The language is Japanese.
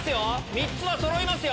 ３つはそろいますよ。